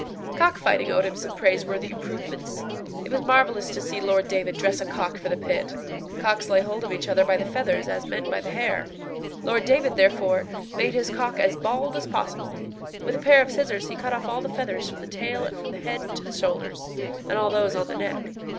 Cockfighting owed him some praiseworthy improvements. It was marvellous to see Lord David dress a cock for the pit. Cocks lay hold of each other by the feathers, as men by the hair. Lord David, therefore, made his cock as bald as possible. With a pair of scissors he cut off all the feathers from the tail and from the head to the shoulders, and all those on the neck.